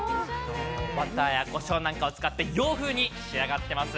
バターやこしょうなんかを使って洋風に仕上がっています。